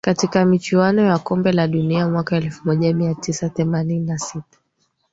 katika michuano ya kombe la dunia mwaka elfu moja mia tisa themanini na sita